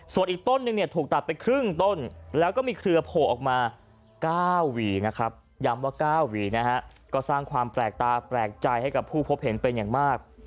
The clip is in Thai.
ส่วนอีกต้นนึงเนี่ยถูกตัดไปครึ่งต้นแล้วก็มีเครือโผล่ออกมา๙หวีนะครับย้ำว่า๙หวีนะฮะก็สร้างความแปลกตาแปลกใจให้กับผู้พบเห็นเป็นอย่างมาก